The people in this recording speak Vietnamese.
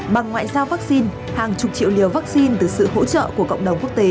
bằng ngoại giao vaccine hàng chục triệu liều vaccine từ sự hỗ trợ của cộng đồng quốc tế